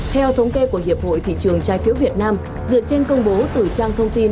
theo thống kê của hiệp hội thị trường trái phiếu việt nam dựa trên công bố từ trang thông tin